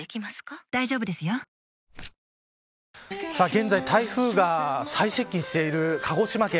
現在、台風が最接近している鹿児島県。